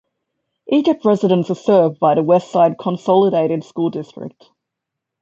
Egypt residents are served by the Westside Consolidated School District.